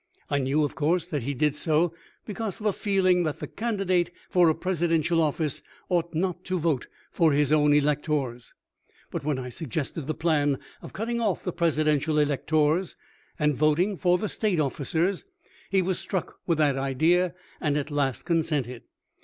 I knew of course that he did so because of a feeling that the candidate for a Presidential office ought not to vote for his own electors ; but when I suggested the plan of cutting off the Presidential electors and voting for the State officers, he was struck with the idea, and at last consented.